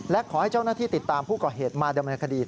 และขอให้เจ้าหน้าที่ติดตามผู้ก่อเหตุมาดำเนินคดี